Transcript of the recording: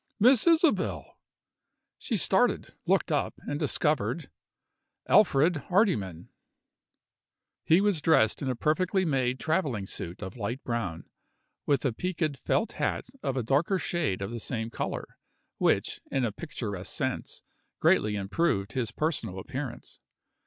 "Miss Isabel!" She started, looked up, and discovered Alfred Hardyman. He was dressed in a perfectly made travelling suit of light brown, with a peaked felt hat of a darker shade of the same color, which, in a picturesque sense, greatly improved his personal appearance.